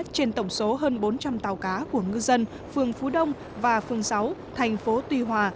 trên tổng số hơn bốn trăm linh tàu cá của ngư dân phường phú đông và phường sáu thành phố tuy hòa